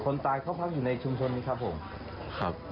คนตายเขาพักอยู่ในชุมชนนี้ครับผมครับ